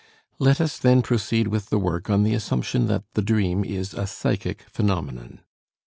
Let us then proceed with the work on the assumption that the dream is a psychic phenomenon.